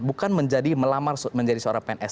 bukan menjadi melamar menjadi seorang pns